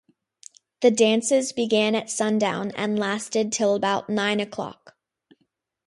The dances began at sundown and lasted till about nine o'clock.